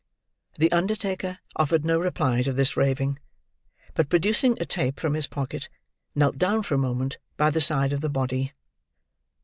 The undertaker offered no reply to this raving; but producing a tape from his pocket, knelt down for a moment by the side of the body.